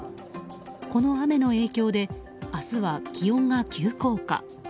この雨の影響で明日は気温が急降下。